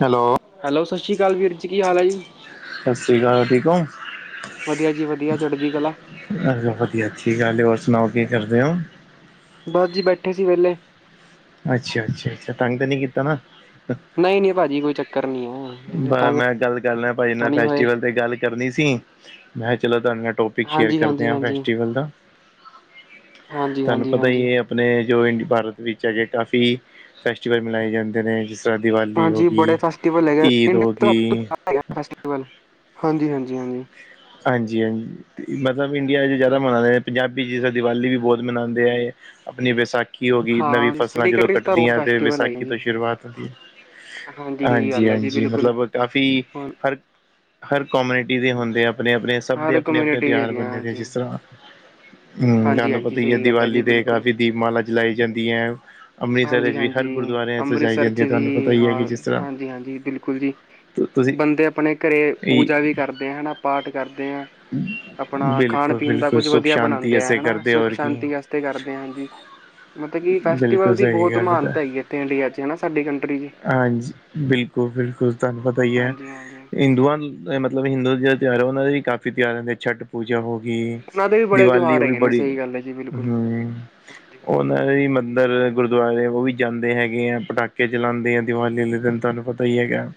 Hello hello, ਸ ਸ਼ੀ ਅਕਾਲ ਵੀਰ ਜੀ, ਕੀ ਹਾਲ ਆ, ਜੀ? ਸਤਿ ਸ਼੍ਰੀ ਅਕਾਲ, ਠੀਕ ਹੋ? ਵਧੀਆ ਜੀ ਵਧੀਆ, ਚੜਦੀ ਕਲਾ। ਹ ਵਧੀਆ, ਅੱਛੀ ਗੱਲ ਏ ਹੋਰ ਸੁਣਾਓ ਕੀ ਕਰਦੇ ਓ? ਬਸ ਜੀ, ਬੈਠੇ ਸੀ ਵਿਹਲੇ। ਅੱਛਾ, ਅੱਛਾ, ਅੱਛਾ ਤੰਗ ਤੇ ਨੀ ਕੀਤਾ ਨਾ? ਨਹੀਂ ਨਹੀਂ ਭਾਜੀ ਕੋਈ ਚੱਕਰ ਨਹੀਂ ਹੈ ਨਹੀਂ ਨਹੀਂ ਮੈ, ਤੰਗ ਮੈਂ ਗੱਲ ਕਰ ਲਾ ਭਾਜੀ ਤਾਂ ਨਾਲ ਨਹੀਂ ਹੋਏ ਫੈਸਟੀਵਲ ਤੇ ਗੱਲ ਕਰਨੀ ਸੀ। ਮੈਂ, ਚਲਾ ਤੁਹਾਡੇ ਨਾਲ ਟੋਪਿਕ ਸ਼ੇਅਰ ਹਾਂਜੀ ਕਰਦੇ ਹਾਂਜੀ ਆਂ, ਹਾਂਜੀ ਫੈਸਟੀਵਲ ਦਾ। ਹਾਂਜੀ ਤੁਹਾਨੂੰ ਹਾਂਜੀ ਪਤਾ ਈ ਹਾਂਜੀ ਏ ਆਪਣੇ, ਜੋ ਇੰਡੀ ਭਾਰਤ ਵਿੱਚ ਚ ਹਜੇ ਕਾਫੀ, ਫੈਸਟੀਵਲ ਮਨਾਏ ਜਾਂਦੇ ਨੇ ਜਿਸ ਤਰ੍ਹਾਂ ਦੀਵਾਲੀ ਹੋ ਹਾਂਜੀ, ਬੜੇ ਗਈ ਫੈਸਟੀਵਲ ਹੈਗੇ, ਈਦ ਹੋ ਇੰਡੀ ਗਈ ਫੈਸਟੀਵਲ [inaudible] ਹਾਂਜੀ-ਹਾਂਜੀ-ਹਾਂਜੀ। ਹਾਂਜੀ-ਹਾਂਜੀ, ਮਤਲਬ ਇੰਡੀਆ'ਚ ਜ਼ਿਆਦਾ ਮਨਾਂਦੇ ਨੇ, ਪੰਜਾਬੀ ਜਿਸ ਤਰਾਂ ਦੀਵਾਲੀ ਵੀ ਬੋਤ ਮਨਾਉਂਦੇ ਹੈਗੇ। ਆਪਣੀ ਵਿਸਾਖੀ ਹੋਗੀ, ਨਵੀਂ ਹਾਂ ਫਸਲਾਂ ਸਾਡੀ ਜਦੋਂ ਕੰਟਰੀ 'ਚ ਤਾਂ ਬਹੁਤ ਕੱਟਦੀਆਂ ਤੇ ਫੈਸਟੀਵਲ ਹੈਗੇ ਵਿਸਾਖੀ ਜੀ ਤੋਂ ਸ਼ੁਰੂਆਤ ਹੁੰਦੀ ਏ। ਹਾਂਜੀ ਸਹੀ ਗੱਲ ਹੈ ਜੀ ਹਾਂਜੀ-ਹਾਂਜੀ, ਬਿਲਕੁਲ ਮਤਲਬ ਕਾਫ਼ੀ ਹੁਣ ਹਰ ਹਰ ਕੌਮੇਨਟੀ ਦੇ ਹੁੰਦੇ ਆ ਆਪਣੇ-ਆਪਣੇ ਸਭ ਦੇ ਹਰ ਆਪਣੇ-ਆਪਣੇ ਕਮਿਊਨਿਟੀ ਦੇ ਤਿਉਹਾਰ ਹੈਗੇ ਆ ਬੰਦੇ ਦੇ, ਹਾਂਜੀ ਜਿਸ ਤਰ੍ਹਾਂ ਹਾਂਜੀ ਤੁਹਾਨੂੰ ਹਾਂਜੀ ਪਤਾ ਈ ਐ, ਸਹੀ ਗੱਲ ਹੈ ਦਿਵਾਲੀ ਜੀ ਤੇ ਕਾਫੀ ਦੀਪਮਾਲਾ ਜਲਾਈ ਜਾਂਦੀਆ। ਹਾਂਜੀ-ਹਾਂਜੀ ਜਾਂਦੀ ਅੰਮ੍ਰਿਤਸਰ'ਚ ਹੈ ਤੁਹਾਨੂੰ ਪਤਾ ਵੀ, ਹੀ ਹੈ ਕਿ ਹਾਂ, ਜਿਸ ਤਰ੍ਹਾਂ ਹਾਂਜੀ-ਹਾਂਜੀ, ਬਿਲਕੁਲ ਜੀ। ਤੁ ਤੁਸੀਂ ਬੰਦੇ ਆਪਣੇ ਘਰੇ ਇਹ ਪੂਜਾ ਵੀ ਕਰਦੇ ਆ ਹਣਾ, ਪਾਠ ਕਰਦੇ ਆਂ। ਅਪਣਾ ਬਿਲਕੁਲ ਖਾਣ-ਪੀਣ ਦਾ ਬਿਲਕੁਲ ਕੁੱਝ ਸੁੱਖ ਵਧੀਆ ਬਣਾਂਦ- ਸ਼ਾਂਤੀ ਤੇ ਐਸੇ ਹੋਣਾ, ਕਰਦੇ ਹੋਰ ਕੀ ਸੁੱਖ-ਸ਼ਾਂਤੀ ਵਾਸਤੇ ਕਰਦੇ ਆਂ, ਹਾਂਜੀ। ਮਤਲਬ ਕਿ ਫੈਸਟੀਵਲ ਬਿਲਕੁਲ ਦੀ ਸਹੀ ਬਹੁਤ ਗੱਲ ਤਾਂ ਮਹਾਨਤਾ ਹੈਗੀ ਆ ਇੱਥੇ ਇੰਡੀਆ'ਚ, ਹੈ ਨਾ ਸਾਡੀ ਕੰਟਰੀ'ਚ। ਹਾਂਜੀ, ਬਿਲਕੁਲ-ਬਿਲਕੁਲ ਤੁਹਾਨੂੰ ਪਤਾ ਈ ਐ, ਹਿੰਦੂਆਂ ਮਤਲਬ ਹਿੰਦੂ ਜੇ ਜਿਹੜਾ ਤੀਹਾਰ ਹੁੰਦਾ ਨਾ, ਉਹਨਾਂ ਦੇ ਵੀ ਕਾਫੀ ਤੀਹਾਰ ਹੁੰਦੇ ਛੱਟ ਪੂਜਾ ਹੋਗੀ, ਉਹਨਾਂ ਦੇ ਵੀ ਬੜੇ ਦੀਵਾਲੀ ਤਿਉਹਾਰ ਉਹ ਵੀ ਹੈਗੇ ਨੇ ਬੜੀ, ਸਹੀ ਗੱਲ ਹੈ ਜੀ ਬਿਲਕੁਲ ਹੂੰ ਹਾਂਜੀ ਹਾਂਜੀ ਉਹਨਾਂ ਦੀ ੰਦਰ, ਗੁਰਦੁਆਰੇ ਉਹ ਵੀ ਜਾਂਦੇ ਹੈਗੇ ਆ। ਪਟਾਕੇ ਜਲਾਂਦੇ ਆ, ਦਿਵਾਲੀੇ ਆਲੇ ਦਿਨ ਤੁਹਾਨੂੰ ਪਤਾ ਈ ਹੈਗਾ।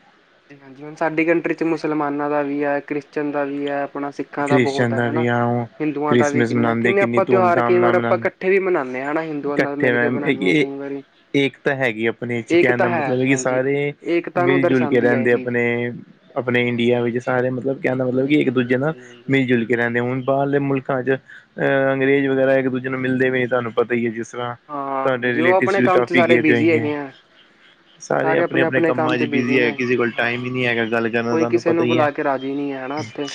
ਹਾਂਜੀ-ਹਾਂਜੀ, ਹੁਣ ਸਾਡੀ ਕੰਟਰੀ'ਚ ਮੁਸਲਮਾਨਾਂ ਦਾ ਵੀ ਐ, ਕ੍ਰਿਸਚਨ ਦਾ ਵੀ ਐ, ਆਪਣਾ ਸਿੱਖ ਸਿੱਖਾਂ ਦਾ ਬਹੁਤ ਕ੍ਰਿਸਚਨ ਐ ਹਨਾ। ਵੀ ਆ ਉਹ ਹਿੰਦੂਆਂ ਦਾ ਵੀ ਕ੍ਰਿਸਮਿਸ ਕਿੰਨਾ, ਮਨਾਂਦੇ ਕਿੰਨੇ ਕਿੰਨੀ ਆਪਾਂ ਤਿਉਹਾਰ ਧੂਮ-ਧਾਮ ਕਈ ਨਾਲ ਵਾਰ ਆਪਾਂ ਮਨਾਂਦੇ ਕੱਠ ਕੱਠੇ ਵੀ ਮਨਾਂਨੇ ਆਂ, ਹਨਾ ਹਿੰਦੂਆਂ ਨਾਲ ਇਕੱਠੇ ਮਿਲਕੇ ਮੈਮ ਬਨਾਂਨੇ ਆ, ਕਈ ਵਾਰੀ। ਏਕਤਾ ਹੈਗੀ ਆਪਣੇ'ਚ, ਕਹਿਣ ਏਕਤਾ ਦਾ ਮਤਲਬ ਹੈ ਕਿ ਹਾਂਜੀ ਸਾਰੇ ਏਕਤਾ ਨੂੰ ਮਿਲ-ਜੁਲ ਕੇ ਦਰਸਾਉਂਦੀ ਹੈ ਇਹ ਰਹਿੰਦੇ ਚੀਜ਼ ਅਪਣੇ, ਅਪਣੇ ਇੰਡੀਆ ਵਿੱਚ ਸਾਰੇ ਮਤਲਬ, ਕਹਿਣ ਜੀ, ਦਾ ਮਤਲਬ ਹਾਂਜੀ, ਕਿ, ਹਾਂਜੀ, ਇੱਕ-ਦੂਜੇ ਨਾਲ ਹਾਂਜੀ, ਹਾਂਜੀ। ਮਿਲ ਜੁਲ ਕੇ ਰਹਿੰਦੇ। ਹੁਣ ਬਾਹਰਲੇ ਮੁਲਕਾਂ'ਚ ਅਂ ਅੰਗਰੇਜ਼ ਵਗੈਰਾ ਇੱਕ-ਦੂਜੇ ਨੂੰ ਮਿਲਦੇ ਵੀ, ਤੁਹਾਨੂੰ ਪਤਾ ਹੀ ਹੈ ਜਿਸ ਤਰ੍ਹਾਂ ਹਾਂ, ਤੁਹਾਡੇ ਜੀ ਉਹ ਰੀਲੇਟਿਵਸ ਆਪਣੇ ਵੀ ਕੰਮ ਚ ਕਾਫੀ ਸਾਰੇ ਗਏ, ਤਾਂ ਬਿਜ਼ੀ ਗਏ। ਹੈਗੇ ਆ। ਸਾਰੇ ਅਪਣੇ-ਅਪਣੇ ਆਪਣੇ-ਆਪਣੇ ਕੰਮ ਚ ਕੰਮਾਂ'ਚ ਬਿਜ਼ੀ ਹੈ, ਨੇ। ਕਿਸੇ ਕੋਲ ਹਾਂ, ਟਾਈਮ ਹੀ ਨਹੀਂ ਹੈਗਾ ਗੱਲ ਕਰਨਦਾ, ਕੋਈ ਤੁਹਾਨੂੰ ਕਿਸੇ ਪਤਾ ਨੂੰ ਬੁਲਾਕੇ ਰਾਜੀ ਨੀ ਹੈ, ਹੈਨਾ, ਉੱਥੇ।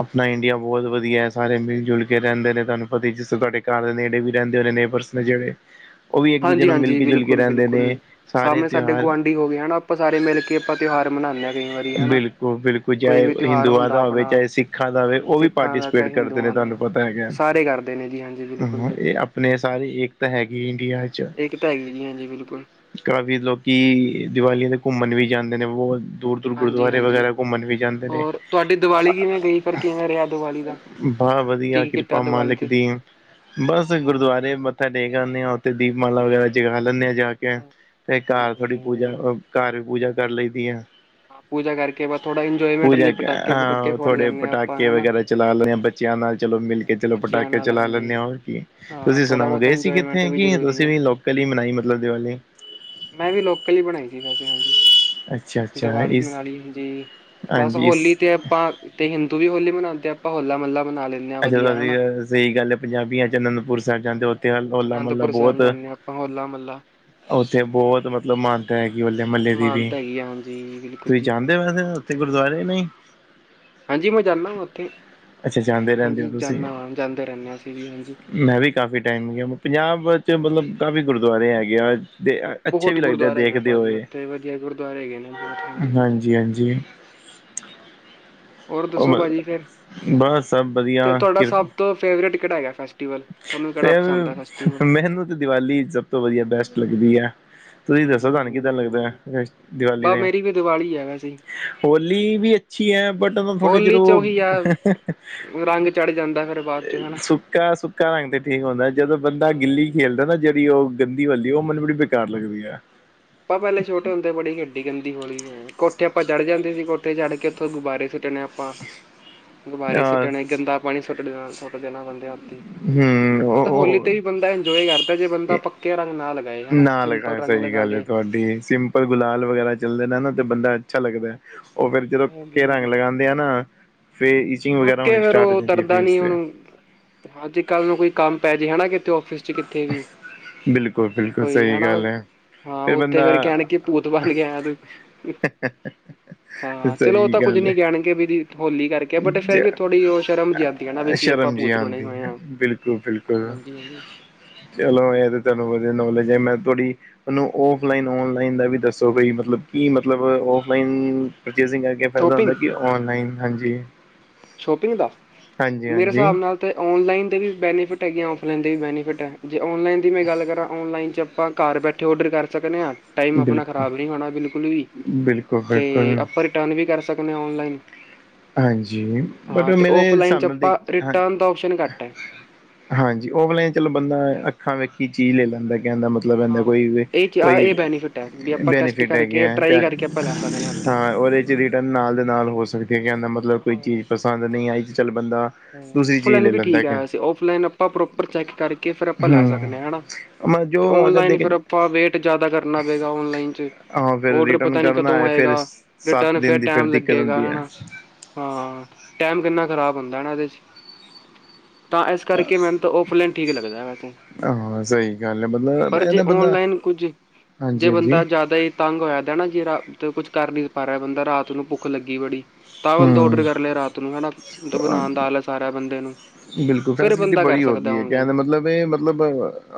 ਅਪਣਾ ਇੰਡੀਆ ਬਹੁਤ ਵਧੀਆ। ਸਾਰੇ ਮਿਲ-ਜੁਲ ਕੇ ਰਹਿੰਦੇ ਨੇ, ਤੁਹਾਨੂੰ ਪਤਾ ਈ ਜਿਸ ਤੁਹਾਡੇ ਘਰ ਦੇ ਨੇੜੇ ਵੀ ਰਹਿੰਦੇ ਹੋਨੇ ਨੇ। ਪਰਸਨ ਜਿਹੜੇ, ਉਹ ਵੀ ਇੱਕ-ਦੂਜੇ ਨੂੰ ਹਾਂਜੀ-ਹਾਂਜੀ, ਮਿਲਕੇ-ਜੁਲਕੇ ਰਹਿੰਦੇ ਨੇ, ਸਾਰੇ ਤਿਉਹਾਰ ਕੀ ਹੋਗਿਆ ਨਾ ਆਪਾ ਸਾਰੇ ਮਿਲਕੇ, ਆਪਾ ਤਿਉਹਾਰ ਮਨਾਂਨੇ ਆ। ਕਈ ਵਾਰੀ ਹਨਾ। ਬਿਲਕੁਲ-ਬਿਲਕੁਲ, ਕੋਈ ਚਾਹੇ ਵੀ ਤਿਉਹਾਰ ਹਿੰਦੂਆਂ ਹੁੰਦਾ ਦਾ ਹੋਵੇ, ਆਪਣਾ ਚਾਹੇ ਸਿੱਖਾਂ ਦਾ ਹੋਵੇ, ਉਹ ਵੀ ਸਿੱਖਾਂ ਦਾ ਪਾਰਟੀਸੀਪੇਟ ਚਾਹੇ ਕਰਦੇ ਨੇ ਹਿੰਦੂਆਂ ਤੁਹਾਨੂੰ ਦਾ। ਪਤਾ ਹੈਗਾ, ਸਾਰੇ ਕਰਦੇ ਨੇ ਜੀ ਹਾਂਜੀ ਬਿਲਕੁਲ ਹੂੰ ਜੀ। ਇਹ ਆ ਅਪਣੇ ਸਾਰੀ ਏਕਤਾ ਹੈਗੀ ਇੰਡੀਆ ਏਕਤਾ ਹੈਗੀ ਜੀ ਹਾਂਜੀ, ਬਿਲਕੁਲ। ਕਾਫ਼ੀ ਲੋਕੀ ਦੀਵਾਲੀ ਤੇ ਘੁੰਮਣ ਵੀ ਜਾਂਦੇ ਨੇ, ਬਹੁਤ ਦੂਰ ਦੁਰ ਗੁਰਦੁਆਰੇ ਹਾਂਜੀ-ਹਾਂਜੀ। ਵਗੈਰਾ ਘੁੰਮਣ ਵੀ ਜਾਂਦੇ ਨੇ। ਹੋਰ ਤੁਹਾਡੀ ਦੀਵਾਲੀ ਕਿਵੇਂ ਗਈ ਫਿਰ ਕਿਵੇਂ ਰਿਹਾ ਦੀਵਾਲੀ ਦਾ ਬਾਹਲ ਵਧੀਆ, ਕੀ ਕੀਤਾ ਕਿਰਪਾ ਦੀਵਾਲੀ ਮਾਲਕ ਤੇ? ਦੀ। ਬਸ ਗੁਰਦੁਆਰੇ ਮੱਥਾ ਟੇਕ ਆਂਨੇ ਆ, ਉੱਥੇ ਦੀਪਮਾਲਾ ਵਗ਼ੈਰਾ ਜਗਾ‌ ਲੈਂਨੇ ਆ ਜਾਕੇ। ਤੇ, ਹਾਂਜੀ-ਹਾਂਜੀ, ਘਰ ਹਾਂਜੀ। ਥੋੜੀ ਹਾਂਜੀ ਪੂਜਾ, ਘਰ ਵੀ ਪੂਜਾ ਕਰ ਲਈ ਦੀ ਆ। ਹਾਂ, ਪੂਜਾ ਕਰਕੇ ਬ ਥੋੜਾ ਇੰਜੋਏਮੈਂਟ ਪੂਜਾ ਲਈ ਪਟਾਕੇ-ਪਟੂਕੇ ਅ ਫੋੜ ਥੋੜੇ ਲੈਂਨੇ ਆ, ਆਪਾਂ ਪਟਾਕੇ ਹਨਾ। ਵਗੈਰਾ ਚਲਾ ਲੈਂਦੇ ਹਾਂ ਬੱਚਿਆਂ ਨਾਲ ਚਲੋ ਮਿਲਕੇ ਚੱਲੋ, ਬੱਚਿਆਂ ਪਟਾਕੇ ਨਾਲ ਚਲਾ ਹਾਂਜੀ ਲੈਂਨੇ ਹੋਰ ਕੀ, ਹਾਂ ਤੁਸੀਂ ਥੋੜਾ ਸੁਣਾਓ ਬਹੁਤਾ ਗਏ ਸੀ ਇੰਜੋਏਮੈਂਟ ਕਿੱਥੇ? ਵੀ ਕੀ ਜ਼ਰੂਰੀ ਤੁਸੀਂ ਹੈ। ਵੀ ਲੋਕ ਕਲੀ ਮਨਾਈ ਮਤਲਬ ਦੀਵਾਲ਼ੀ। 'ਮੈਂ' ਵੀ ਲੋਕਲ ਹੀ ਬਣਾਈ ਸੀ ਵੈਸੇ, ਹਾਂਜੀ। ਅੱ ਦਵਾਲੀ ਮਨਾਲੀ ਹਾਂਜੀ, ਬਸ ਹਾਂਜੀ ਇਸ ਹੋਲੀ ਤੇ ਆਪਾਂ ਤੇ ਹਿੰਦੂ ਵੀ ਹੋਲੀ ਮਨਾਂਦੇ ਆ, ਆਪਾਂ ਹੋਲਾ-ਮਹੱਲਾ ਬਨਾਂ ਲਏ ਅੱਛਾ ਸਹੀ ਗੱਲ ਪੰਜਾਬੀਆਂ'ਚ ਅਨੰਦਪੁਰ ਸਾਹਿਬ ਜਾਂਦੇ, ਉੱਥੇ ਹੋਲਾ-ਮਹੱਲਾ ਬਹੁਤ ਹੋਲਾ-ਮਹੱਲਾ। ਉੱਥੇ ਬਹੁਤ ਮਤਲਬ ਮਹਾਨਤਾ ਹੈਗੀ, ਹੋਲੇ-ਮਹੱਲੇ ਦੀ ਵੀ। ਜੀ ਬਿਲਕੁੱਲ਼ ਤੁਸੀਂ ਜੀ ਜਾਂਦੇ ਵੈਸੇ ਉੱਥੇ ਗੁਰੂਦੁਆਰੇ ਨਹੀਂ ਹਾਂਜੀ ਮੈਂ ਜਾਂਦਾ ਵਾਂ ਉੱਥੇ, ਅੱਛਾ ਜਾਂਦੇ ਰਹਿੰਦੇ ਹੋ ਹਾਂਜੀ ਤੁਸੀਂ ਜਾਂਦਾ ਵਾਂ ਜਾਂਦੇ ਰਹਿੰਦੇ ਅਸੀਂ ਵੀ ਹਾਂਜੀ ਮੈਂ ਵੀ ਕਾਫੀ ਟਾਈਮ ਗਿਆਂ, ਪੰਜਾਬ 'ਚ ਮਤਲਬ ਕਾਫ਼ੀ ਗੁਰੂਦੁਆਰੇ ਹੈਗੇ ਆਂ- ਦੇ ਅੱਛੇ ਬਹੁਤ ਵੀ ਲੱਗਦੇ ਗੁਰਦੁਆਰੇ ਹੈਗੇ ਆ ਦੇਖਦੇ ਭਾਜੀ ਹੋਏ, ਉੱਥੇ ਵਧੀਆ ਗੁਰਦੁਆਰੇ ਹੈਗੇ ਨੇ ਬਹੁਤ ਹਾਂਜੀ ਹਾਂਜੀ ਹੋਰ ਉਹ ਦੱਸੋ ਮ- ਭਾਜੀ ਫੇਰ, ਬਸ ਸਭ ਵਧੀਆ ਤੇ ਤੁਹਾਡਾ ਕਿਰ ਸਭ ਤੋਂ ਫੇਵਰਟ ਕਿਹੜਾ ਹੈਗਾ ਫੈਸਟੀਵਲ ਤੁਹਾਨੂੰ ਕਿਹੜਾ ਪਸੰਦ ਹੈ ਫਿਰ ਫੈਸਟੀਵਲ ਮੈਨੂੰ ਤਾਂ ਦੀਵਾਲੀ ਸਭ ਤੋਂ ਵਧੀਆ ਬੈਸਟ ਲੱਗਦੀ ਆ ਤੁਸੀਂ ਦੱਸੋ ਤੁਹਾਂਨੂੰ ਕਿੱਦਾਂ ਲੱਗਦਾ ਹੈ, ਹਮ ਦੀਵਾਲ਼ੀ ਬਸ ਦੇ ਮੇਰੀ ਵੀ ਦੀਵਾਲੀ ਹੈ ਵੈਸੇ ਹੋਲੀ ਵੀ ਅੱਛੀ ਹੈ ਬਟ ਉਹ ਤੁਹਾਡੇ ਚਿਰ ਹੋਲੀ ਚ ਉਹ, ਉਹੀ ਆ ਰੰਗ ਚੜ ਜਾਂਦਾ ਫਿਰ ਬਾਅਦ ਚੋਂ ਹਨਾ ਸੁ ਕਿਆ ਸੁ- ਸੁੱਕਾ ਤੇ ਠੀਕ ਹੁੰਦਾਂ, ਜਦੋਂ ਬੰਦਾਂ ਹਾਂ। ਗਿੱਲੀ ਆਪਾਂ ਖੇਲਦਾ ਨਾ ਜਿਹੜੀ ਉਹ ਗੰਦੀ ਵਾਲ਼ੀ ਉਹ ਮੈਨੂੰ ਬੜੀ ਬੇਕਾਰ ਲੱਗਦੀ ਹੈ। [inaudible] ਆਪਾਂ ਪਹਿਲੇ ਛੋਟੇ ਹੁੰਦੇ ਤੇ ਬੜੀ ਗੰਦੀ ਗੰਦੀ ਹੌਲੀ ਖੇਡਣੀ, ਕੋਠੇ ਆਂਪਾਂ ਚੜ੍ਹ ਜਾਂਦੇ ਸੀ ਕੋਠੇ ਚੜ੍ਹ ਕੇ ਉੱਥੋਂ ਗ਼ੁਬਾਰੇ ਸੁੱਟਣੇ ਆਪਾਂ ਗੁਬਾਰੀ ਸੁਿੱਟਣੇ ਗੰਦਾ ਪਾਣੀ ਸੁੱਟ ਦੇਣਾ ਦੇ ਬੰਦੇ ਹੱਥ ਹਮ ਮਤਲਬ, ਉਹ ਹੋਲੀ ਤੇ ਵੀ ਉਹ- ਬੰਦਾ ਇੰਜੋਏ ਕਰਦਾਂ ਜੇ ਬੰਦਾ ਪੱਕੇ ਰੰਗ ਨਾ ਲੱਗਣ ਨਾ ਲਗਾਏ, ਸਹੀ ਗੱਲ ਹੈ ਤੁਹਾਡੀ ਸਿੰਮਪਲ ਗੁਲਾਲ ਵਗੈਰਾ ਚੱਲਦੇ ਨੇ ਨਾ ਤੇ ਬੰਦਾ ਅੱਛਾ ਲੱਗਦਾ ਹੈ, ਉਹ ਫਿਰ ਜਦੋਂ ਹਾਂਜੀ ਪੱਕੇ ਰੰਗ ਹਾਂਜੀ ਲਗਾਉ [inaudible] ਓ ਫੇਰ ਉਤਰਦਾ ਨੀ ਹੁਣ, ਹਾਂਜੀ ਕੱਲ ਨੂੰ ਕੋਈ ਕੰਮ ਪੈ ਜੇ ਹੈਨਾ ਕਿਤੇ ਔਫਿਸ 'ਚ ਕਿੱਥੇ ਵੀ ਬਿਲਕੁਲ ਬਿਲਕੁਲ, ਕੋਈ ਸਹੀ ਹਨਾ ਗੱਲ ਹੈ ਹਾਂ ਫਿਰ ਉੱਥੇ ਬੰਦਾ ਫੇਰ ਕਹਿਣ, ਕਿ ਭੂਤ ਬਣ ਕੇ ਆਇਆ ਤੂੰ ਹਾਂ ਚਲੋ, ਉਹ ਤਾਂ ਸਹੀ ਕੁੱਝ ਗੱਲ ਨੀ ਹੈ। ਕਹਿਣਗੇ ਵੀਂ ਹੋਲੀ ਕਰਕੇ ਬਟ ਫੇਰ ਜ ਵੀ ਥੋੜ੍ਹੀ ਉਹ ਸ਼ਰਮ ਜਿਹੀ ਆਉਂਦੀ ਹੈ ਨਾ ਵੀ ਕਿ ਆਪਾਂ ਸ਼ਰਮ ਜਿਹੀ ਭੂਤ ਬਣੇ ਆਉਂਦੀ ਹੋਏ ਹੈ, ਹਾਂ ਬਿਲਕੁੱਲ ਬਿਲਕੁੱਲ ਹਾਂਜੀ ਹਾਂਜੀ ਚਲੋਂ ਇਹ ਤਾਂ ਤੁਹਾਨੂੰ ਵਧੀਆਂ ਨੌਲੇਜ ਹੈ, ਮੈਂ ਥੋੜ੍ਹੀ ਮੈਨੂੰ ਔਫਲਾਈਨ ਔਨਲਾਈਨ ਦਾ ਵੀ ਦੱਸੋ ਬਈ ਮਤਲਬ, ਕੀ ਮਤਲਬ ਔਫਲਾਈਨ ਪਰਚੇਸਿੰਗ ਹੈ। ਅੱਗੇ ਫਾਇਦਾ ਹੁੰਦਾ, ਸ਼ੋਪਿੰਗ ਕਿ ਔਨਲਾਈਨ ਹਾਂਜੀ ਸ਼ੋਪਿੰਗ ਦਾ, ਹਾਂਜੀ ਮੇਰੇ ਹਾਂਜੀ ਹਿਸਾਬ ਨਾਲ ਤਾਂ ਔਨਲਾਈਨ ਦੇ ਵੀ ਬੈਨੀਫਿਟ ਹੈਗੇ ਆ ਔਫਲਾਈਨ ਦੇ ਵੀ ਬੈਨੀਫਿਟ ਹੈ। ਜੇ ਔਨਲਾਈਨ ਦੀ ਮੈਂ ਗੱਲ ਕਰਾਂ ਔਨਲਾਈਨ 'ਚ ਆਪਾਂ ਘਰ ਬੈਠੇਂ ਔਡਰ ਕਰ ਸੱਕਦੇ ਹਾਂ ਟਾਈਮ ਆਪਣਾ ਬਿਲਕੁਲ ਖ਼ਰਾਬ ਨਹੀਂ ਹੋਣਾ ਬਿਲਕੁਲ ਵੀ, ਬਿਲਕੁਲ ਤੇ ਬਿਲਕੁਲ ਆਪਾਂ ਰਿਟਰਨ ਵੀ ਕਰ ਸਕਦੇ ਔਨਲਾਈਨ ਹਾਂਜੀ, ਬਟ ਹਾਂ ਅਤੇ ਮੇਰੇ ਔਫਲਾਈਨ ਹਿਸਾਬ 'ਚ ਨਾਲ ਦੇਖ ਆਪਾਂ ਹਾਂ ਰਿਟਰਨ ਦਾ ਆਪਸ਼ਨ ਘੱਟ ਹੈ ਹਾਂਜੀ, ਓਫਲਾਨ ਚਲੋ ਬੰਦਾ ਅੱਖਾਂ ਵੇਖੀਂ ਚੀਜ਼ ਲੈ ਲੈਂਦਾ ਕਹਿਣ ਦਾਂ ਮਤਲਬ [inaudible] ਹਾਂ ਇਹ ਚ ਆ ਇਹ ਕੋਈ ਬੈਨੀਫਿਟ ਹੈ ਵੀ ਆਪਾਂ ਟੈਸਟ ਬੈਨੀਫਿਟ ਹੈਗੈ ਕਰਕੇ ਆ ਟਰਾਈ ਕਰਕੇ ਆਪਾਂ ਲੈ ਸਕਦੇ ਹਾਂ ਉੱਥੇ ਰਿਟਰਨ ਨਾਲ਼ ਦੇ ਨਾਲ਼ ਹੋ ਸਕਦੀ ਹੈ ਕਹਿਣ ਦਾ ਮਤਲਬ, ਕੋਈ ਹਾਂ ਹਾਂ ਚੀਜ਼ ਪਸੰਦ ਨਹੀਂ ਆਈ ਚੱਲ ਬੰਦਾਂ- ਔਫਲਾਈਨ ਵੀ ਠੀਕ ਹੈ ਵੈਸੇ, ਆਫਲਾਈਨ ਆਪਾਂ ਪ੍ਰੋਪਰ ਚੈੱਕ ਕਰਕੇ ਫੇਰ ਆਪਾਂ ਲੈ ਸਕਦੇ ਹਮ ਹਨਾਂ ਜੋ ਅੱਗੇ ਦੇਖੋ ਆਪਾਂ ਵੇਟ ਜ਼ਿਆਦਾ ਕਰਨਾਂ ਪਏਗਾ ਔਨਲਾਈਨ 'ਚ ਹਾਂ ਫਿਰ ਔਡਰ ਰਿਟਰਨ ਪਤਾਂ ਨੀਂ ਕਰਨਾ ਕਦੋਂ ਹੈ ਫਿਰ ਆਏਗਾ, ਸੱਤ ਰਿਟਰਨ ਦਿਨ ਫ਼ਿਰ ਦੀ ਫਿਰ ਟਾਈਮ ਦਿੱਕਤ ਲੱਗੇਗਾ ਹੁੰਦੀ ਹੈ ਹਨਾ ਹਾਂ, ਟੈਮ ਕਿੰਨਾ ਖ਼ਰਾਬ ਹੁੰਦਾ ਨਾ ਇਹਦੇ ਚ ਤਾਂ ਇਸ ਕਰਕੇ ਮੈਨੂੰ ਤਾਂ ਆਫਲਾਈਨ ਠੀਕ ਲੱਗਦਾ ਵੈਸੇ ਹਾਂ ਸਹੀ ਗੱਲ ਹੈ, ਬੰਦਾ ਇਹਦਾ ਬੰਦਾ ਨਹੀਂ ਕੁੱਝ ਹਾਂਜੀ ਜੇ ਹਾਂਜੀ ਬੰਦਾਂ ਜ਼ਿਆਦਾ ਹੀ ਤੰਗ ਹੋਇਆ ਦਾ ਨਾ ਜੇ ਕੁੱਝ ਕਰ ਨੀ ਪਾ ਰਿਹਾ, ਬੰਦਾ ਰਾਤ ਨੂੰ ਭੁੱਖ ਲੱਗੀ ਬੜੀ ਤਾਂ ਬੰਦਾ ਔਡਰ ਕਰ ਹਮ ਲਿਆ ਰਾਤ ਨੂੰ ਹੈਨਾ, ਬਣਾਉਣ ਦਾ ਆਲਸ ਆ ਰਿਹਾ ਬੰਦੇ ਨੂੰ ਬਿਲਕੁੱਲ ਫਿਰ ਫੈਸਿਲਿਟੀ ਬੰਦਾ ਕਰ ਬੜੀ ਹੋ ਸਕਦਾ ਗਈਂ ਹੈਂ ਕਹਿਣ ਔਨਲਾਈਨ ਦਾਂ, ਮਤਲਬ ਇਹ ਮਤਲਬ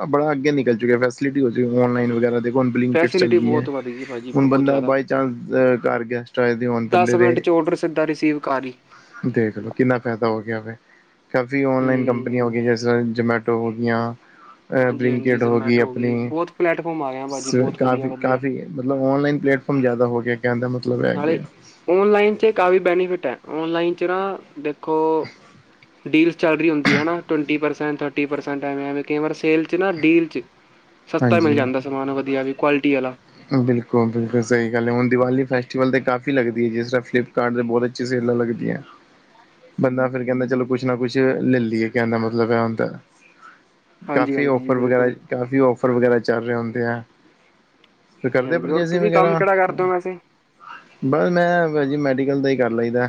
ਬੜਾ ਅੱਗੇ ਨਿਕਲ ਚੁੱਕਾ ਫੈਸਲਿਟੀ ਔਨਲਾਇਨ ਵਗੈਰਾ ਦੇ ਹੁਣ ਬਲਿੰਕਿਟਸ ਚੱਲ ਫੈਸਿਲਿਟੀ ਗਿਆ, ਬਹੁਤ ਵੱਧ ਗਈ ਭਾਜੀ ਹੁਣ ਬਹੁਤ ਬੰਦਾ ਜ਼ਿਆਦਾ ਬਾਈ ਚਾਂਸ ਘਰ ਗੈਸਟ ਆਏ ਦਸ ਬੰਦੇ ਮਿੰਟ ਚ ' ਔਡਰ ਸਿੱਧਾ ਰਿਸੀਵ ਘਰ ਹੀ। ਦੇਖਲੋ ਕਿੰਨਾਂ ਫ਼ਾਇਦਾ ਹੋ ਗਿਆਂ ਵੇ- ਕਾਫੀ ਔਨਲਾਈਨ ਕੰਪਨੀਆਂ ਹੋ ਹੂੰ ਗਈਆਂ ਜੈਸੇ ਜੋਮੈਟੋ ਹੋਗਈਆਂ। ਹਾਂਜੀ ਹਾਂਜੀ ਬ੍ਰਿੰਕਟ ਹੋਗੀ ਜ਼ਮੈਟੋ ਹੋ ਗਈ ਆਪਣੀਂ, ਬਹੁਤ ਪਲੈਟਫਾਰਮ ਆ ਗਏ ਆ ਭਾਜੀ ਸ ਬਹੁਤ ਵਧੀਆ ਕਾਫ਼ੀ ਵਧੀਆ -ਕਾਫ਼ੀ ਮਤਲਬ ਔਨਲਾਈਨ ਪਲੇਟਫੋਮ ਕਮ ਜਾਦਾ ਹੋ ਗਿਆ ਕਹਿਣ ਦਾ ਮਤਲਬ ਇਹ ਹੈ ਨਾਲੇ ਗਿਆ। ਔਨਲਾਈਨ 'ਚ ਕਾਫੀ ਬੈਨੀਫਿਟ ਹੈ ਔਨਲਾਈਨ 'ਚ ਨਾ ਦੇਖੋ ਡੀਲਸ ਚ ਅ ਬਰੀ ਹੁੰਦੀ ਹੈਂ ਨਾ, ਟਵਂਟੀ ਪਰਸੈਂਟ, ਥਰਟੀ ਪਰਸੈਂਟ ਐਵੇਂ -ਐਵੇਂ ਕਈ ਵਾਰ ਸੇਲ 'ਚ ਨਾ ਡੀਲ 'ਚ- ਹਮ [unintelligible] ਸਸਤਾ ਮਿਲ਼ ਜਾਂਦਾ ਸਮਾਂਨ ਵਧੀਆਂ ਵੀ ਕੁਆਲਿਟੀ ਵਾਲਾਂ। ਬਿਲਕੁਲ- ਬਿਲਕੁਲ ਸਹੀ ਗੱਲ ਏ, ਹੁਣ ਦੀਵਾਲੀੈ ਫੈਸਟੀਵਲ ਤੇ ਕਾਫ਼ੀ ਲੱਗਦੀ ਹੈ ਜਿਸ ਤਰ੍ਹਾਂ ਫਲਿੱਪਕਾਰਟ ਦੇ ਬਹੁਤ ਅੱਛੀ ਸੇਲਾਂ ਲੱਗਦੀਆਂ। [inaudible] ਬੰਦਾ ਫ਼ਿਰ ਕਹਿੰਦਾਂ ਚਲੋਂ ਕੁੱਛ ਨਾ ਕੁੱਛ ਲੈ ਲਈਏ ਕਹਿਣ ਦਾ ਮਤਲਬ ਹੈ ਹੁੰਦਾ। ਹਾਂਜੀ ਕਾਫ਼ੀ ਹਾਂਜੀ ਜੀ ਔਫਰ ਵਗ਼ੈਰਾ, ਬਿਲਕੁਲ ਕਾਫ਼ੀ ਔਫਰ ਵਗ਼ੈਰਾ ਚੱਲ ਰਹੇਂ ਹੁੰਦੇ ਐ। ਤੇ ਹਾਂਜੀ ਕਰਦੇ ਹਾਂਜੀ ਹੋਰ ਪਰਚੇਜਿੰਗ ਤੁਸੀਂ ਕੰਮ ਵਗੈਰਾ। ਕਿਹੜਾ ਕਰਦੇ ਹਮ। ਹੋ ਵੈਸੇ? ਬਸ ਮੈਂ ਹੈਗਾ ਜੀ ਮੈਡੀਕਲ ਦਾਂ ਹੀ ਕਰ ਲਈਦਾਂ।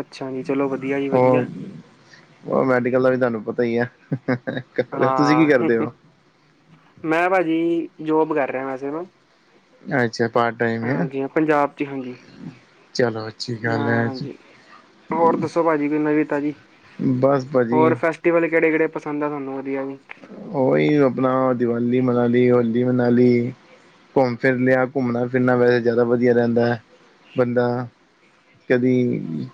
ਅੱਛਾ ਜੀ ਚਲੋਂ ਵਧੀਆਂ ਜੀ ਵਧੀਆਂ ਔਹ ਮੈਡੀਕਲ ਦਾ ਵੀ ਤੁਹਾਨੂੰ ਪਤਾਂ ਹੀ ਐ, ਹਅ-ਹਅ ਤੁਸੀਂ ਕੀ ਹਾਂ ਕਰਦੇਂ ਹੋ। ਮੈਂ ਭਾਜੀ ਜੋਬ ਕਰ ਰਿਹਾ ਵੈਸੇ ਨਾ ਅੱਛਾ ਪਾਰਟ ਟਾਈਮ ਹੈ ਹਾਂਜੀ ਹਾਂ, ਪੰਜਾਬ ਚ ਹਾਂਜੀ। ਚਲੋ ਅੱਛੀ। ਨਾ, ਗੱਲ ਹੈ। ਹਾਂਜੀ ਹੋਰ ਦੱਸੋ ਭਾਜੀ ਕੋਈ, ਨਵੀ ਤਾਜੀ ਬਸ ਹੋਰ ਭਾਜੀ ਫੈਸ ਟੀ ਵੱਲ ਕਿਹੜੇ -ਕਿਹੜੇ ਪਸੰਦ ਆ ਤੁਹਾਨੂੰ ਵਧੀਆਂ। ਔਹੀ ਆਪਣਾਂ ਦੀਵਾਲ਼ੀ ਮਨਾਂ ਲਈ, ਹੋਲੀ ਮਨਾਂ ਲਈ। ਘੁੰਮ ਫਿਰ ਲਿਆ, ਘੁੰਮਣਾ ਫਿਰਨਾ ਵੈਸੇ ਜ਼ਿਆਦਾ ਵਧੀਆ ਰੈਂਦਾ ਬੰਦਾ ਕਦੀ ਈ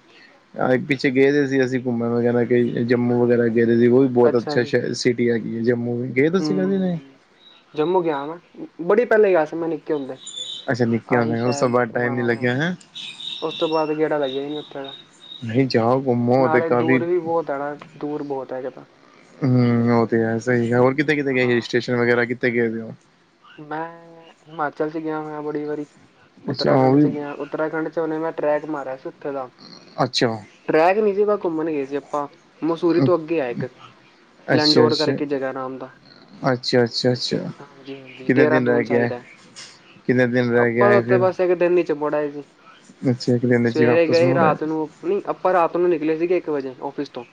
ਹਾਂ ਪਿੱਛੇ ਗਏ ਤੇ ਸੀ ਅਸੀਂ ਘੁੰਮਣ ਵਗ਼ੈਰਾ, ਕਈ ਜੰਮੂ ਵਗ਼ੈਰਾ ਗਏ ਦੇ ਸੀ ਔਹੀ ਬਹੁਤ ਅੱਛਾ ਸ਼ਹਿ ਸਿਟੀ ਹੈਗੀ ਏ ਜੰਮੂ, ਗਏ ਤੁਸੀਂ ਕਦੇ ਨਹੀਂ। ਹੂੰ ਜੰਮੂ ਗਿਆਂ ਮੈਂ ਬੜੀ ਪਹਿਲੇ ਗਿਆਂ ਸੀ ਮੈਂ ਨਿਕੇ ਹੁੰਦੇ। ਅੱਛਾ ਨਿਕੇਆਂ ਆਹੀ ਹੋਂਦ, ਉਸ ਤੋਂ ਸ਼ਾਇਦ ਬਾਅਦ ਟਾਈਮ ਨੀਂ ਹਾਂ ਲਗਿਆਂ ਹੈ। ਉਸ ਤੋਂ ਬਾਅਦ ਗੇੜਾਂ ਲਗਿਆ ਈ ਨੀ ਉੱਥੇ ਦਾ। ਨਹੀਂ ਜਾਓ ਘੁੰਮੋ ਤੇ ਨਾਲੇ ਕਾਫੀ ਦੂਰ ਵੀ ਬਹੁਤ ਹੈ ਨਾ ਦੂਰ ਬਹੁਤ ਹੈਗਾ ਤਾਂ। ਹਮ ਉਹ ਤੇ ਸਹੀ ਗਲ, ਹੋਰ ਕਿੱਥੇ ਕਿਥੇ ਗਏ ਸੀ ਸਟੇਸ਼ਨ ਵਗ਼ੈਰਾ ਕਿੱਥੇ ਗਏ ਹੋ ਮੈਂ ਏ--ਹਿਮਾਚਲ ਚ ਗਿਆ ਹੋਇਆ ਬੜੀ ਵਾਰੀ। ਅੱਛਾ ਉਹ ਉੱਤਰਾਖੰਡ ਚ ਵੀ ਗਿਆਂ ਉੱਤਰਾਖੰਡ ਚ ਉਹਨੇਂ ਮੈਂ ਟ੍ਰੈਕ ਮਾਰਿਆਂ ਸੀ ਉੱਥੇ ਦਾ। ਅੱਛਾ ਟਰੈਕ ਨਹੀਂ ਸੀਮਾ, ਘੁੰਮਣ ਗਏ ਸੀ ਆਪਾਂ ਮਸੂਰੀ ਤੋਂ ਅੱਗੇ ਹੈ ਇੱਕ। ਅੱਛਾ ਅੱਛਾ ਲੈਂਡੋਰ ਕਰਕੇ ਜਗਾ ਨਾਮ ਦਾ, ਅੱਛਾ ਅੱਛਾ ਅੱਛਾ ਹਾਂਜੀ- ਹਾਂਜੀ। ਕਿੰਨੇ ਦਿਨ ਦੇਹਰਾਦੂਨ ਰਹਿ ਗਿਆ ਸਾਈਡ ਹੈ। ਕਿੰਨੇ ਦਿਨ ਰਹਿ ਆਪਾਂ ਗਿਆ ਤਾ ਹੈ ਉਥੇ ਫਿਰ ਬਸ ਇਕ ਦਿਨ ਚ ਮੁੜ ਆਏ ਸੀ। ਅੱਛਾ ਇੱਕ ਦਿਨ ਚ ਸਵੇਰੇ ਵਾਪਸ ਗਏ ਮੁੜ ਆਏ ਰਾਤ ਨੂੰ। ਨਹੀਂ ਆਪਾਂ ਰਾਤ ਨੂੰ ਨਿਕਲੇ ਸੀਗੇ ਇੱਕ ਵਜੇ, ਓਫਿਸ ਤੋਂ,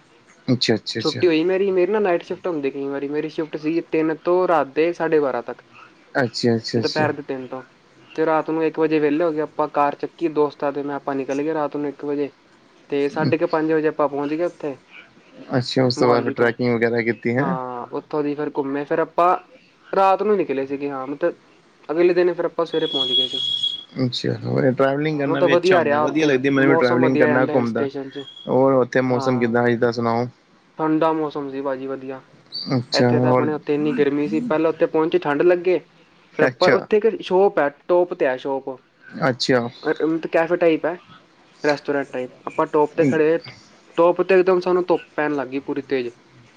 ਅੱਛਾ ਅੱਛਾ ਛੁੱਟੀ ਅੱਛਾ ਹੋਈ ਮੇਰੀ, ਮੈ ਨਾ ਨਾਈਟ ਸ਼ਿਫਟ ਹੁਂਦੀ ਕਈ ਵਾਰੀ ਮੇਰੀ ਸ਼ਿਫਟ ਸੀਗੀ ਤਿੰਨ ਤੋਂ ਰਾਤ ਦੇ ਸਾਢੇ ਬਾਰਾਂ ਤੱਕ। ਅੱਛਾ ਅੱਛਾ। ਅੱਛਾ ਦੁਪਹਿਰ ਦੇ ਤਿੰਨ ਤੋ। ਤੇ ਰਾਤ ਨੂੰ ਇੱਕ ਵਜੇ ਵੇਲੇ ਹੋ ਗਏਵ ਆਪਾਂ ਕਾਰ ਚੱਕੀ ਦੋਸਤਾਂ ਤੇ ਮੈਂ ਆਪਾਂ ਨਿਕਲ ਗਏ ਰਾਤ ਨੂੰ ਇੱਕ ਵਜੇ। ਤੇ ਸਾਢੇ ਕ ਪੰਜ ਵੱਜੇ ਆਪਾਂ ਪਹੁੰਚ ਗਏ ਔਥੇ। ਅੱਛਾ ਉਸ ਤੋਂ ਬਾਅਦ ਫਿਰ ਟਰੈਕਿੰਗ ਵਗੈਰਾ ਕੀਤੀ ਹੈ। ਔਥੋਂ ਦੀ ਫਿਰ ਘੁੰਮੇ ਫਿਰ ਆਪਾਂ ਰਾਤ ਨੂੰ ਨੀ ਲੇ ਸੀਗੇ ਹਾਂ ਮਤਲਬ ਅਗਲੇ ਦਿਨ ਫੇਰ ਆਪਾਂ ਸਵੇਰੇ ਪਹੁੰਚ ਗਏ ਸੀ। ਅੱਛਾ ਟਰੈਵਲਿੰਗ ਹਾਂ ਕਰਨਾ ਮਤਲਬ ਵੀ ਅੱਛਾ ਹੁੰਦਾ ਰਿਹਾ ਵਧੀਆ ਉੱਥੇ ਲੱਗਦੀ ਮੈਨੂੰ ਵੀ ਮੌਸਮ ਟਰੈਵਲਿੰਗ ਵਧੀਆ ਕਰਨਾ ਰਹਿੰਦਾ ਹਿਲ ਘੁੰਮਦਾ। ਸਟੇਸ਼ਨ 'ਚ ਹੋਰ ਔਥੇ ਮੌਸਮ ਕਿੱਦਾਂ ਹਾਂ ਏਤਾਂ ਸੁਣਾਓ? ਠੰਡਾ ਮੌਸਮ ਸੀ ਭਾਜੀ ਵਧੀਆ ਅੱਛਾ ਇੱਥੇ ਤਾਂ ਹੋਰ ਆਪਣੇ ਉੱਥੇ ਇੰਨੀ ਗਰਮੀ ਸੀ। ਪਹਿਲਾਂ ਉੱਥੇ ਪਹੁੰਚੀ ਠੰਢ ਲੱਗੇ, ਫਿਰ ਅਪਾ ਅੱਛਾ ਉੱਥੇ ਇੱਕ ਸ਼ੋਪ ਹੈ ਟੋਪ ਤੇ ਹੈ ਸ਼ੋਪ। ਅੱਛਾ। ਤ ਕੈਫੇ ਟਾਈਪ ਹੈ ਰੈਸਟੋਰੈਂਟ ਟਾਈਪ ਆਪਾਂ ਟੋਪ ਤੇ ਖੜੇ ਟੋਪ ਤੇ ਇਕਦਮ ਸਾਨੂੰ ਧੁੱਪ ਪੈਣ ਲੱਗ ਗਈ ਪੂਰੀ ਤੇਜ਼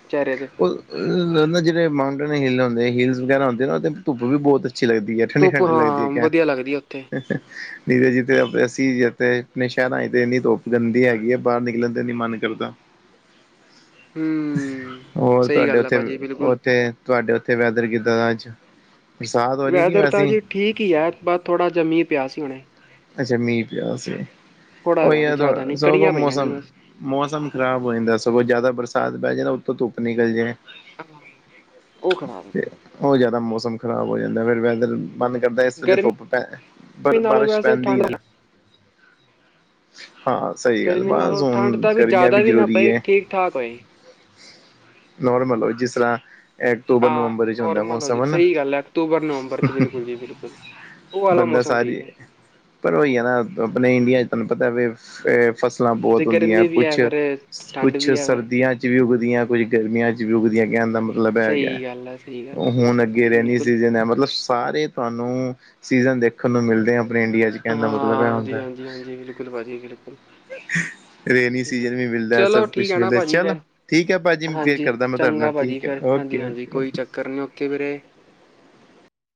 ਚਿਹਰੇ ਤੇ। [unintelligible] ਜਿਹੜੇ ਮਾਊਂਟੇਨ ਹਿੱਲ ਹੁੰਦੇ ਹਿਲਸ ਵਗੈਰਾ ਹੁੰਦੇ ਨੇ ਨਾ ਉਹਦੇ ਧੁੱਪ ਵੀ ਬਹੁਤ ਅੱਛੀ ਲੱਗਦੀ ਹੈ। ਠੰਡੀ ਧੁੱਪ ਠੰਡੀ ਲੱਗਦੀ ਹੈ ਹਾਂ ਵਧੀਆ ਲੱਗਦੀ ਉੱਥੇ ਕਹਿ, ਨੀਰੇ ਜੀਤੇ ਅਸੀਂ ਜਥੇ ਆਪਣੇ ਸ਼ਹਿਰਾਂ ਚ ਤਾਂ ਇੰਨੀ ਧੋਪ ਗੰਦੀ ਹੈਗੀ ਆ ਬਾਹਰ ਨਿਕਲਣ ਤੇ ਇੰਨੀ ਮਨ ਕਰਦਾ। ਹੂੰ, ਹੋਰ ਸਹੀ ਤੁਹਾਡੇ ਗੱਲ ਆ ਉੱਥੇ ਭਾਜੀ ਬਿਲਕੁਲ ਉੱਥੇ ਤੁਹਾਡੇ ਉੱਥੇ ਵੈਦਰ ਕਿੱਦਾਂ ਦਾ ਅੱਜ? ਬਰਸਾਤ ਹੋ ਰਹੀ ਕਿ ਵੈਦਰ ਤਾਂ ਵੈਸੇ ਹੀ ਜੀ ਠੀਕ ਹੀ ਹੈ ਬਸ ਥੋੜ੍ਹਾ ਜਾ ਮੀਂਹ ਪਿਆ ਸੀ ਹੁਣੇ। ਅੱਛਾ ਮੀਂਹ ਪਿਆ ਸੀ, ਥੋੜਾ ਉਹੀ ਪਿਆ ਸੀ ਜ਼ਿਆਦਾ ਨਹੀਂ ਯਾਰ ਕਣੀਆਂ ਪਈਆਂ ਸੀ ਮੌਸਮ ਬਸ ਮੌਸਮ ਖ਼ਰਾਬ ਹੋ ਜਾਂਦਾ ਸਗੋਂ ਜ਼ਿਆਦਾ ਬਰਸਾਤ ਪੈ ਜੇ ਨਾ ਉੱਥੋਂ ਧੁੱਪ ਨਿਕਲ ਜਾਏ। [unintelligible] ਉਹ ਜ਼ਿਆਦਾ ਮੌਸਮ ਖ਼ਰਾਬ ਹੋ ਜਾਂਦਾ ਫਿਰ ਵੈਦਰ। ਮਨ ਕਰਦਾ ਇਸ ਵੇਲੇ ਗਰਮੀ ਧੁੱਪ ਪੈ ਪਰ ਨਾਲੋਂ ਬਾਰਿਸ਼ ਵੈਸੇ ਪੈਂਦੀ ਠੰਡ ਨਾ, ਹਾਂ, ਸਹੀ ਗੱਲ ਗਰਮੀ ਬਸ ਨਾਲੋਂ ਠੰਡ ਹੁਣ ਤਾਂ ਗਰਮੀਆਂ ਜ਼ਿਆਦਾ ਵੀ ਨਾ ਜ਼ਰੂਰੀ ਪਏ ਹੈ। ਠੀਕ ਠਾਕ ਹੋਏ ਨੋਰਮਲ ਹੋ ਜਿਸ ਤਰ੍ਹਾਂ ਅਕਤੂਬਰ ਹਾਂ, ਨਵੰਬਰ ਵਿੱਚ ਹੁੰਦਾ ਨੋਰਮਲ ਹੋ ਮੌਸਮ ਜੇ ਹਨਾ ਸਹੀ ਗੱਲ ਹੈ ਅਕਤੂਬਰ ਨਵੰਬਰ ਚ ਬਿਲਕੁਲ ਜੀ ਬਿਲਕੁਲ। ਉਹ ਵਾਲਾ ਬੰਦਾ ਮੌਸਮ ਠੀਕ ਸਾਰੀ ਹੈ। ਪਰ ਹੋਈ ਜਾ ਨਾ ਆਪਣੇ ਇੰਡੀਆ ਚ ਤੁਹਾਨੂੰ ਪਤਾ ਵੀ ਫੇਰ, ਫਸਲਾਂ ਬਹੁਤ ਤੇ ਹੁੰਦੀਆਂ ਗਰਮੀ ਵੀ ਹੈ ਕੁਛ ਫਿਰ ਠੰਡ ਕੁਛ ਵੀ ਹੈ ਫਿਰ ਸਰਦੀਆਂ ਚ ਵੀ ਉੱਗਦੀਆਂ ਕੁਛ ਗਰਮੀਆਂ ਚ ਵੀ ਉੱਗਦੀਆਂ ਕਹਿਣ ਦਾ ਮਤਲਬ ਹੈਗਾ, ਸਹੀ ਗੱਲ ਆ, ਸਹੀ ਗੱਲ ਆ, ਹੁਣ ਬਿਲਕੁਲ ਅੱਗੇ ਭਾਜੀ ਰੇਨੀ ਬਿਲਕੁਲ। ਸੀਜਨ ਹੈ ਮਤਲਬ ਸਾਰੇ ਤੁਹਾਨੂੰ ਸੀਜਨ ਦੇਖਣ ਨੂੰ ਮਿਲਦੇ ਆ ਆਪਣੇ ਇੰਡੀਆ ਚ ਕਹਿਣ ਦਾ ਮਤਲਬ ਇਹ ਹਾਂਜੀ, ਹੁੰਦਾ। ਹਾਂਜੀ, ਹਾਂਜੀ, ਬਿਲਕੁਲ ਭਾਜੀ ਬਿਲਕੁਲ, ਰੇਨੀ ਹਾਂਜੀ। ਸੀਜਨ ਵੀ ਮਿਲਦਾ ਚਲੋ ਸਭ ਠੀਕ ਕੁਛ ਹੈ ਨਾ ਮਿਲਦਾ ਭਾਜੀ ਚਲੋ ਫੇਰ, ਠੀਕ ਹੈ ਭਾਜੀ ਫੇਰ ਹਾਂਜੀ ਕਰਦਾ ਮੈਂ ਤੁਹਾਡੇ ਨਾਲ ਠੀਕ। ਓ ਓਕੇ ਓਕੇ ਓਕੇ। ਕਰਨ ਓਕੇੇ ਵੀਰੇ।